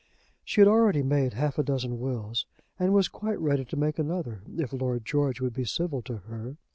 She had already made half a dozen wills, and was quite ready to make another, if Lord George would be civil to her.